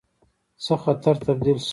خطر تبدیل شو.